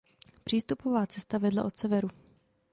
Přístupová cesta vedla od severu.